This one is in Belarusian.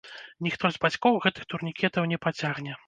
Ніхто з бацькоў гэтых турнікетаў не пацягне.